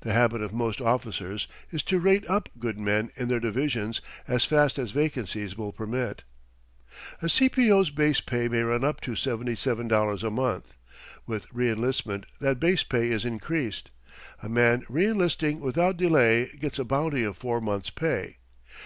The habit of most officers is to rate up good men in their divisions as fast as vacancies will permit. A C. P. O.'s base pay may run up to $77 a month. With re enlistment that base pay is increased. A man re enlisting without delay gets a bounty of four months' pay.